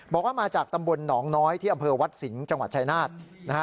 บอกว่ามาจากตำบลหนองน้อยที่อำเภอวัดสิงห์จังหวัดชายนาฏนะฮะ